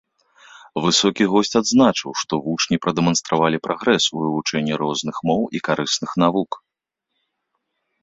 Высокі госць адзначыў, што вучні прадэманстравалі прагрэс у вывучэнні розных моў і карысных навук.